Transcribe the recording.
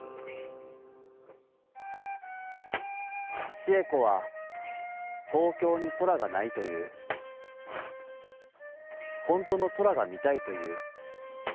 「智恵子は東京に空が無いといふ、ほんとの空が見たいといふ。